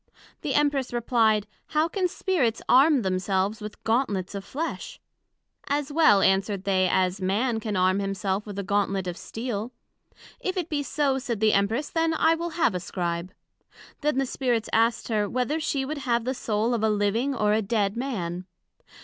The Empress replied, How can Spirits arm themselves with gantlets of Flesh? As well, answered they, as Man can arm himself with a gantlet of steel. If it be so, said the Empress, then I will have a Scribe. Then the Spirits asked her, Whether she would have the Soul of a living or a dead Man?